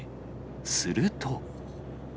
すると。